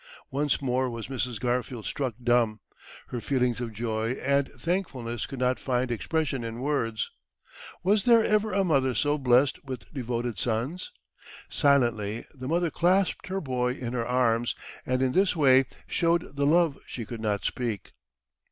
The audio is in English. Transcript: Once more was Mrs. Garfield struck dumb. Her feelings of joy and thankfulness could not find expression in words. Was there ever a mother so blessed with devoted sons? Silently the mother clasped her boy in her arms, and in this way showed the love she could not speak.